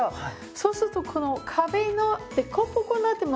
そうするとこの壁の凸凹になってますよね。